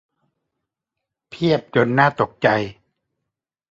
เพียบจนน่าตกใจ